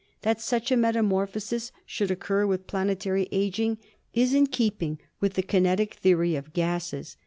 That such a metamorphosis should occur with planetary aging is in keeping with the kinetic theory of gases.